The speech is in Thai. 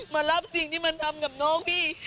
มารับสิ่งที่มันทำกับน้องพี่